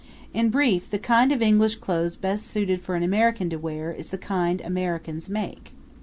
In brief, the kind of English clothes best suited for an American to wear is the kind Americans make.